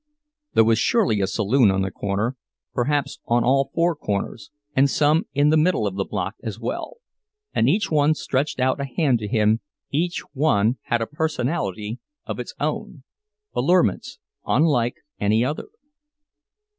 There was surely a saloon on the corner—perhaps on all four corners, and some in the middle of the block as well; and each one stretched out a hand to him each one had a personality of its own, allurements unlike any other.